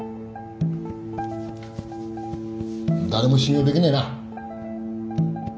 誰も信用できねえな。